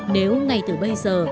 nếu ngay từ bây giờ